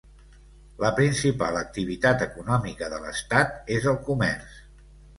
La principal activitat econòmica de l'estat és el comerç.